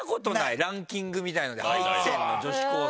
ランキングみたいなので入ってんの女子高生。